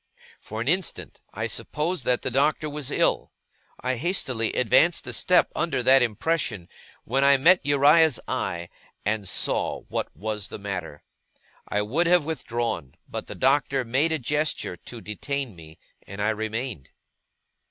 For an instant, I supposed that the Doctor was ill. I hastily advanced a step under that impression, when I met Uriah's eye, and saw what was the matter. I would have withdrawn, but the Doctor made a gesture to detain me, and I remained.